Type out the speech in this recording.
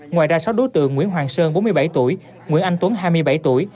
ngoài ra sáu đối tượng nguyễn hoàng sơn bốn mươi bảy tuổi nguyễn anh tuấn hai mươi bảy tuổi